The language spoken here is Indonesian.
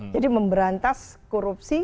jadi memberantas korupsi